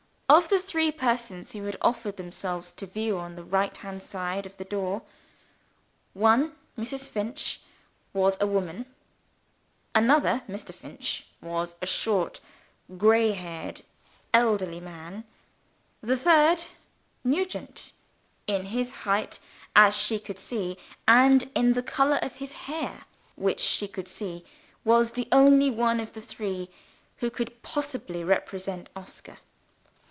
Of the three persons who had offered themselves to view on the right hand side of the door, one (Mrs. Finch) was a woman; another (Mr. Finch) was a short, grey headed, elderly man; the third (Nugent), in his height which she could see and in the color of his hair which she could see was the only one of the three who could possibly represent Oscar.